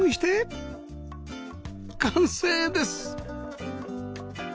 完成です！